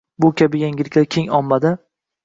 bu kabi yangiliklar keng ommada